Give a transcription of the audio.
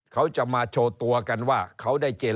เขาจะเอา